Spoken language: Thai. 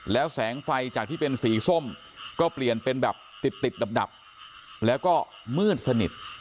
แล้วแสงไฟจากที่เป็นสีส้มก็เปลี่ยนเป็นแบบติดติดดับแล้วก็มืดสนิท